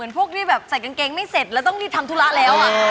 พวกที่แบบใส่กางเกงไม่เสร็จแล้วต้องรีบทำธุระแล้ว